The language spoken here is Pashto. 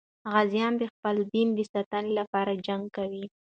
غازیان د خپل دین د ساتنې لپاره جنګ کوي.